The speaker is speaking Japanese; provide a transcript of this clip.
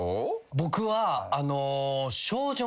僕は。